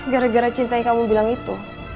gara gara cinta yang kamu bilang itu